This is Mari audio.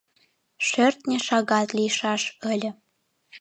Шӧртньӧ шагат лийшаш ыле.